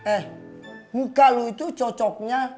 eh muka lo itu cocoknya